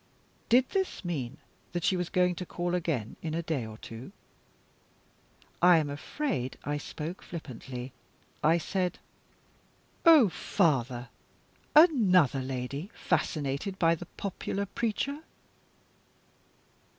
Did this mean that she was going to call again in a day or two? I am afraid I spoke flippantly. I said: "Oh, father, another lady fascinated by the popular preacher?"